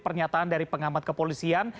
pernyataan dari pengamat kepolisian